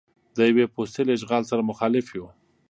د یوې پوستې له اشغال سره مخالف یو.